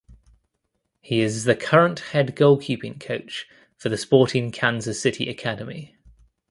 He is the current head goalkeeping coach for the Sporting Kansas City academy.